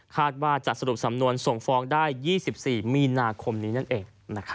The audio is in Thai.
ว่าจะสรุปสำนวนส่งฟ้องได้๒๔มีนาคมนี้นั่นเอง